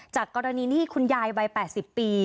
จากกรณีที่คุณยายวัย๘๐ปี